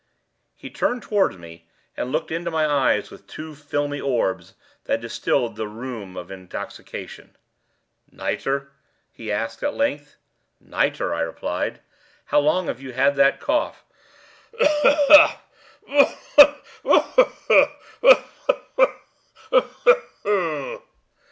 He turned towards me, and looked into my eyes with two filmy orbs that distilled the rheum of intoxication. "Nitre?" he asked, at length. "Nitre," I replied. "How long have you had that cough?" "Ugh! ugh! ugh!—ugh! ugh! ugh!—ugh!